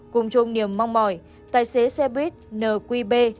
cùng chung niềm mong mỏi tài xế xe buýt nqb